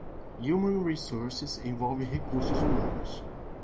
Human Resources envolve recursos humanos.